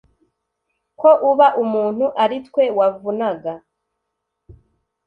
ko uba umuntu ari twe wavunaga